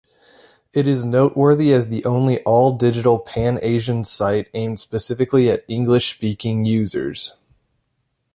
It is noteworthy as the only all-digital, pan-Asian site aimed specifically at English-speaking users.